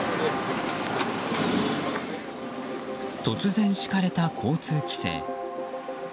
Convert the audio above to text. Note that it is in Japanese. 突然敷かれた交通規制。